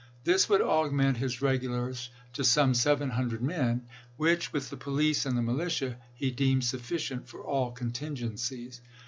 This would augment his regulars to some seven hun dred men, which, with the police and the militia, he deemed sufficient for all contingencies.